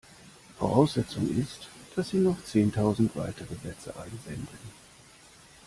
Voraussetzung ist, dass Sie noch zehntausend weitere Sätze einsenden.